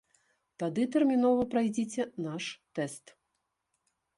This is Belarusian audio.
Тады тэрмінова прайдзіце наш тэст.